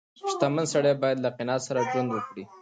• شتمن سړی باید له قناعت سره ژوند وکړي.